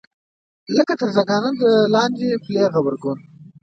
لکه تر زنګانه د لاندې پلې غبرګون.